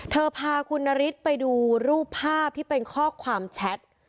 พาคุณนฤทธิ์ไปดูรูปภาพที่เป็นข้อความแชท